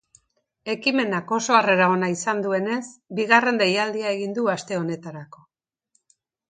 Ekimenak oso harrera ona izan duenez, bigarren deialdia egin du aste honetarako.